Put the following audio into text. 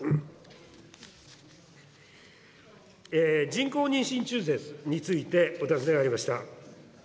人工妊娠中絶についてお尋ねがありました。